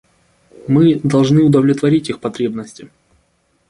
Мы должны удовлетворить их потребности.